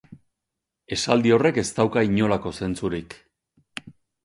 Esaldi horrek ez dauka inolako zentzurik.